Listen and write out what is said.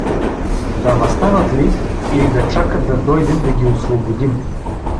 Да възстанат ли, или да чакат да дойдем да ги освободим?